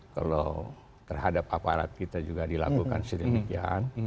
kalau terhadap aparat kita juga dilakukan sedemikian